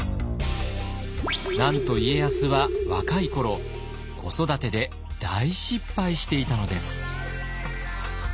なんと家康は若い頃子育てで大失敗していたのです。